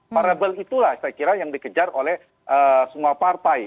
variable itulah saya kira yang dikejar oleh semua partai